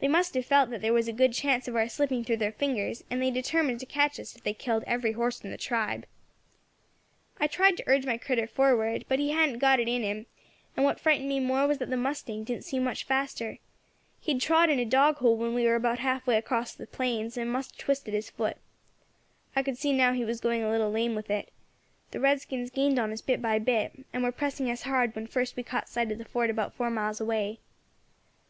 They must have felt that there was a good chance of our slipping through their fingers, and they determined to catch us if they killed every horse in the tribe. "I tried to urge my critter forward, but he hadn't got it in him; and what frightened me more was that the mustang didn't seem much faster; he had trod in a dog hole when we war about half way across the plains, and must have twisted his foot. I could see now he was going a little lame with it. The redskins gained on us bit by bit, and were pressing us hard when first we caught sight of the fort about four miles away.